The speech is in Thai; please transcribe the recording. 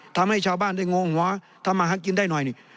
ทำให้ชาวบ้านได้งงว่าทำอาหารกินได้หน่อยนี่